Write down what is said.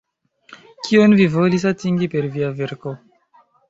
Kion vi volis atingi per via verko?